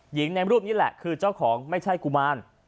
หญิงในรูปนี้แหละคือเจ้าของไม่ใช่กุมาร